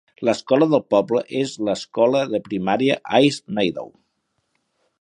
L'escola del poble és l'escola de primària Hayes Meadow.